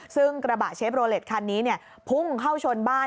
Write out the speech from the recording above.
ซึ่งกระบะเชฟโรเล็ตคันนี้พุ่งเข้าชนบ้าน